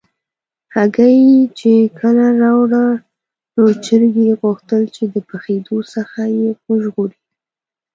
هګۍ چې کله راوړه، نو چرګې غوښتل چې د پخېدو څخه یې وژغوري.